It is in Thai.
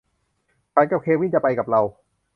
ฉันกับเควินจะไปกับเรา